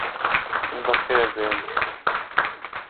بەخێربێن.